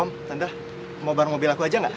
om tante mau bareng mobil aku aja gak